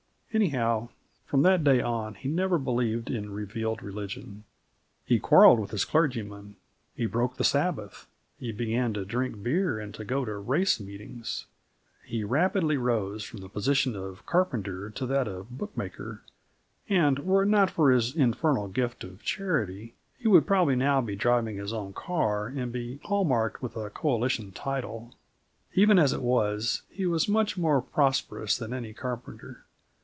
Anyhow, from that day on, he never believed in revealed religion. He quarrelled with his clergyman. He broke the Sabbath. He began to drink beer and to go to race meetings. He rapidly rose from the position of carpenter to that of bookmaker, and, were it not for his infernal gift of charity, he would probably now be driving his own car and be hall marked with a Coalition title. Even as it was, he was much more prosperous than any carpenter.